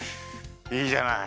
いいじゃない。